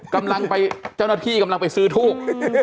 กำลังไปเจ้าหน้าที่กำลังไปซื้อทูบ